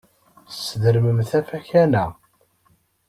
Sdermemt afakan-a.